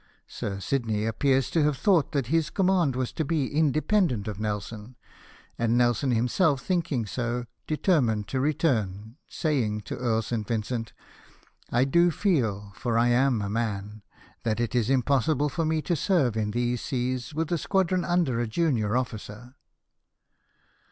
Sir Sidney appears to have thought that this command was to be independent of Nelson ; and Nelson himself, think ing so, determined to return, saying to Earl St. Vincent, " I do feel, for I am a man, that it is impossible for me to serve in these seas with a squadron under a junior officer."